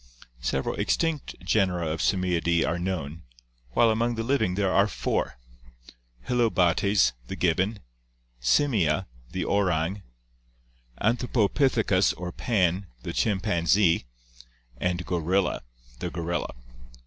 Several extinct genera of Simiidae are known, while among the living there are four: Hylobates, the gibbon; Sitnia, the orang; " Anthropopithecus" or Pan, the chimpanzee; and Gorilla, the gorilla.